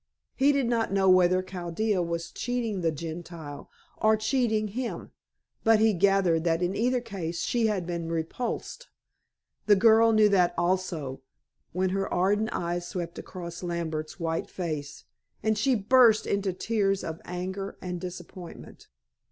He did not know whether Chaldea was cheating the Gentile, or cheating him; but he gathered that in either case, she had been repulsed. The girl knew that also, when her ardent eyes swept across Lambert's white face, and she burst into tears of anger and disappointment.